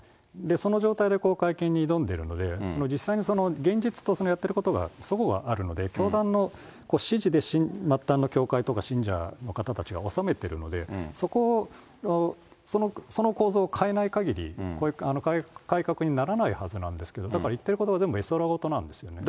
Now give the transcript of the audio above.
その状態でこの会見に挑んでるんで、実際に現実とやってることがそごがあるので、教団の指示で末端の教会とか信者の方たちが納めてるので、その構造を変えないかぎり、こういう改革にならないはずなんですけど、だから言ってることが全部絵空事なんですよね。